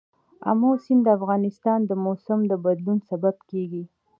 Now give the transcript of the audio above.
آمو سیند د افغانستان د موسم د بدلون سبب کېږي.